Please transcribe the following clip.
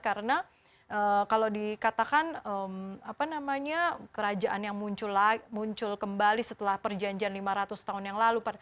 karena kalau dikatakan apa namanya kerajaan yang muncul kembali setelah perjanjian lima ratus tahun yang lalu